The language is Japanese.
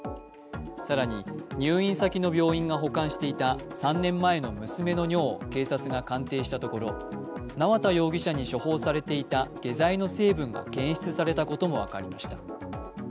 更に、入院先の病院が保管していた３年前の娘の尿を警察が鑑定したところ、縄田容疑者に処方されていた下剤の成分が検出されたことも分かりました。